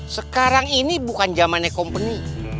sekarang ini bukan zamannya company